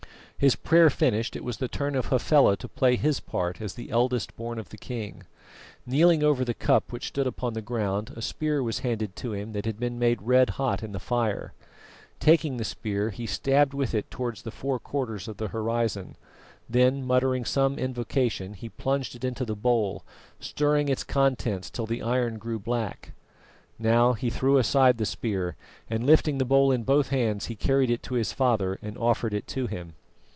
His prayer finished, it was the turn of Hafela to play his part as the eldest born of the king. Kneeling over the cup which stood upon the ground, a spear was handed to him that had been made red hot in the fire. Taking the spear, he stabbed with it towards the four quarters of the horizon; then, muttering some invocation, he plunged it into the bowl, stirring its contents till the iron grew black. Now he threw aside the spear, and lifting the bowl in both hands, he carried it to his father and offered it to him.